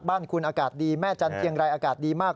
บ้านคุณอากาศดีแม่จันเทียงไรอากาศดีมาก